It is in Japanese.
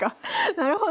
なるほど。